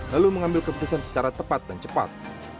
lalu mengambil keputusan secara tepat dan cepat